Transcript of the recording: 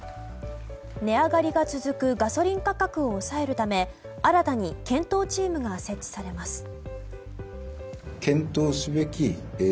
値上がりが続くガソリン価格を抑えるため新たに検討チームが設置されます。